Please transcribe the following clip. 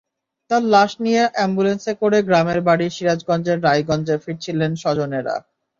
তাঁর লাশ নিয়ে অ্যাম্বুলেন্সে করে গ্রামের বাড়ি সিরাজগঞ্জের রায়গঞ্জে ফিরছিলেন স্বজনেরা।